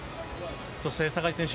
そして、酒井選手。